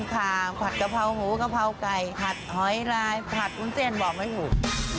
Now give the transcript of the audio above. ขาผัดกะเพราหมูกะเพราไก่ผัดหอยลายผัดวุ้นเส้นบอกไม่ถูก